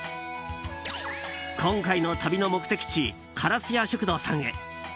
今回の旅の目的地からすや食堂さんへ。